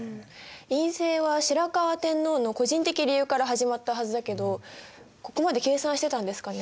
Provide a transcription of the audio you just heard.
院政は白河天皇の個人的理由から始まったはずだけどここまで計算してたんですかね？